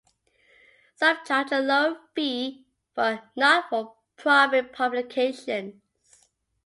Some charge a lower fee for not-for-profit publications.